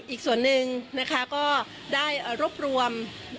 อีกส่วนนึงคือได้รบรวม